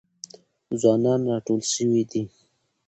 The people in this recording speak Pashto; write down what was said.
ځوانان راټول سوي دي.